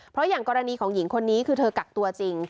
เพราะอย่างกรณีของหญิงคนนี้คือเธอกักตัวจริง